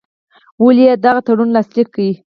ولي یې دغه تړون لاسلیک کړ.